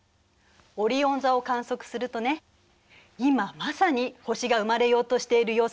オリオン座を観測するとね今まさに星が生まれようとしている様子が見られるのよ。